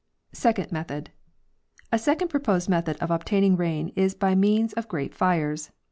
49 Second Method—A second proposed method of obtaining rain is by means of great fires.